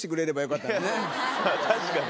確かに。